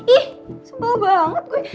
ih sumpah banget gue